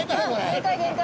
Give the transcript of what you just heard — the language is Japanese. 限界限界。